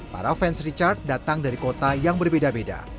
para fans richard datang dari kota yang berbeda beda